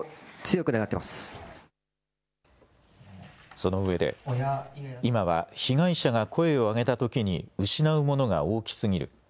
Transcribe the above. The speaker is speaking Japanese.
そのうえで今は被害者が声を上げたときに失うものが大きすぎる。